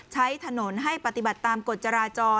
ใช้ถนนให้ปฏิบัติตามกฎจราจร